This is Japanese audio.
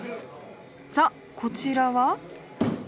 さっこちらは？